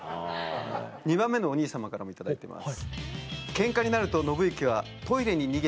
２番目のお兄様からも頂いてます。